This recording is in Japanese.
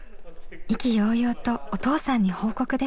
意気揚々とお父さんに報告です。